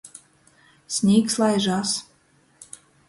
Snīgs laižās.